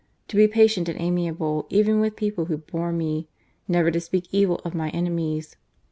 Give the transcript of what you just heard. To be patient and amiable even with people who bore me ; never to speak evil of my enemies.